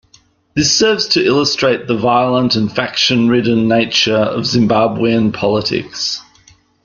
This serves to illustrate the violent and faction ridden nature of Zimbabwean politics.